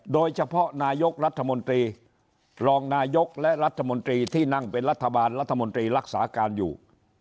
โดยเฉพาะนายกรัฐมนตรีรองนายกและรัฐมนตรีที่นั่งเป็นรัฐบาลรัฐมนตรีรักษาการอยู่